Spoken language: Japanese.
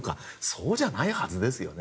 そうじゃないはずですよね。